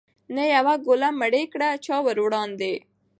نه یوه ګوله مړۍ کړه چا وروړاندي